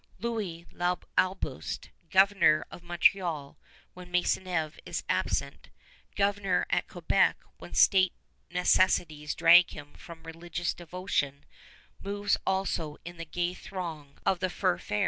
Louis d'Ailleboust, Governor of Montreal when Maisonneuve is absent, Governor at Quebec when state necessities drag him from religious devotion, moves also in the gay throng of the Fur Fair.